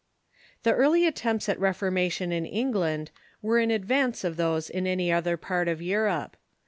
] The early attempts at reformation in England were in ad vance of those in any other part of Europe.